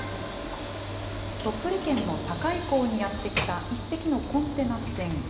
鳥取県の境港にやって来た１隻のコンテナ船。